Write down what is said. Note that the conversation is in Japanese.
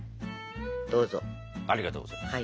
ありがとうございます。